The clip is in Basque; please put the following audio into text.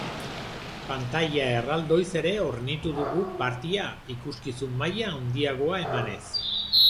Pantaila erraldoiz ere hornitu dugu party-a, ikuskizun maila handiagoa emanez.